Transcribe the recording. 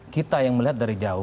kita yang melihat dari jauh